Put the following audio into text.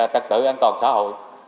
tật tự an toàn xã hội